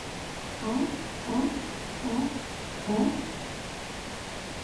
En … en … en … en …